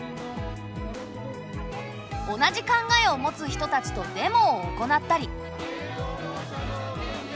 同じ考えを持つ人たちとデモを行ったり。